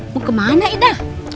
mau kemana ida